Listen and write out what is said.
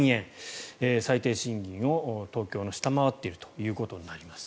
最低賃金を東京、下回っているということになります。